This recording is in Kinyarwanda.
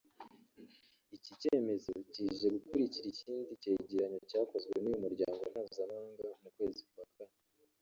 Iki cyemezo kije gikurikira ikindi cyegeranyo cyakozwe n’uyu muryango mpuzamahanga mu kwezi kwa Kane